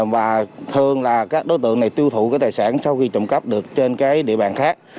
và thường là các đối tượng này tiêu thụ cái tài sản sau khi trộm cắp được trên cái địa bàn khác